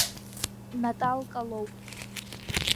Наталка лоуп!